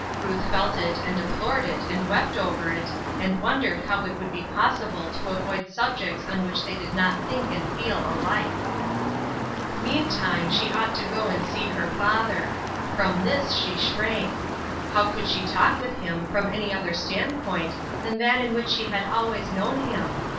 Ruth felt it and deplored it and wept over it, and wondered how it would be possible to avoid subjects on which they did not think and feel alike. Meantime s1k3 ought to go and see her father " Bltter Sweetr 385 From this she shrank. IIow could she talk witli him from any other standpoint tlian that in which she had always known him